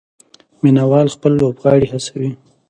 مینه وال خپل لوبغاړي هڅوي.